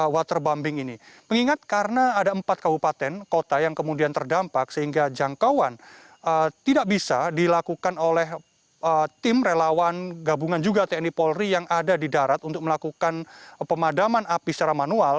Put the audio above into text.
waterbombing ini mengingat karena ada empat kabupaten kota yang kemudian terdampak sehingga jangkauan tidak bisa dilakukan oleh tim relawan gabungan juga tni polri yang ada di darat untuk melakukan pemadaman api secara manual